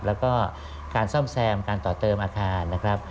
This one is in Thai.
แล้วก็การซ่อมแซมการต่อเติมอาคารนะครับ